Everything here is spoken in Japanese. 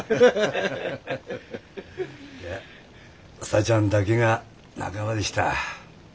さあちゃんだけが仲間でした。